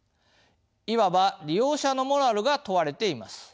いわば利用者のモラルが問われています。